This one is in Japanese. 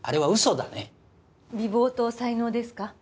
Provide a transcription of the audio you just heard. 美貌と才能ですか？